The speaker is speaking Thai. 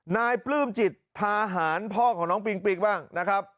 ปลื้มจิตทาหารพ่อของน้องปิงปิ๊งบ้างนะครับ